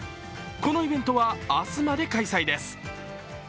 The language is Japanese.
このイベントは明日まで開催です。